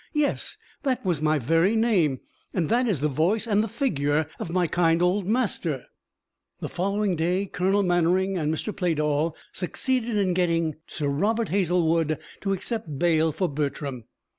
"Yes, that was my very name, and that is the voice and the figure of my kind old master!" The following day Colonel Mannering and Mr. Pleydall succeeded in getting Sir Robert Hazlewood to accept bail for Bertram.